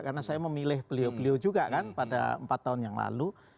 karena saya memilih beliau beliau juga kan pada empat tahun yang lalu